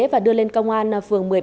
và đưa lên công an phường một mươi ba